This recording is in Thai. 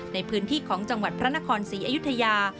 ในพื้นที่ของจังหวัดพระนครศรีอยุธยา